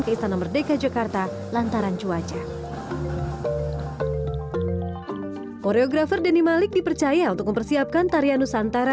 ke istana merdeka jakarta lantaran cuaca koreografer denny malik dipercaya untuk mempersiapkan tarian nusantara